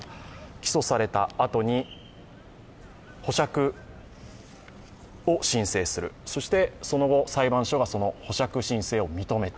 起訴されたあとに保釈を申請する、そしてその後、裁判所がその保釈申請を認めた。